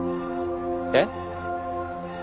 えっ？